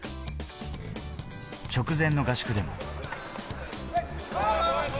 直前の合宿でも。